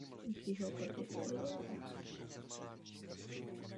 U kostela se nachází malé parkoviště.